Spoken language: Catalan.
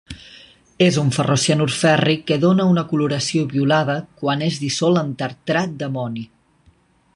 És un ferrocianur fèrric que dóna una coloració violada quan és dissolt en tartrat d'amoni.